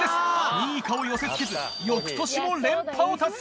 ２位以下を寄せ付けず翌年も連覇を達成！